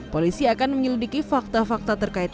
polisi akan menyelidiki fakta fakta terkait